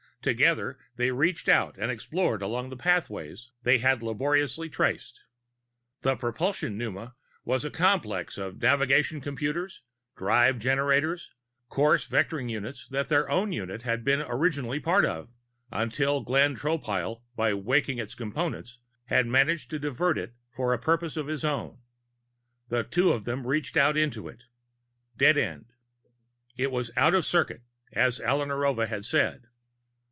Together they reached out and explored along the pathways they had laboriously traced. The propulsion pneuma was the complex of navigation computers, drive generators, course vectoring units that their own unit had been originally part of until Glenn Tropile, by waking its Components, had managed to divert it for purposes of his own. The two of them reached out into it Dead end. It was out of circuit, as Alla Narova had said.